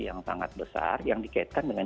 yang sangat besar yang dikaitkan dengan